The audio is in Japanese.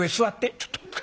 「ちょっと。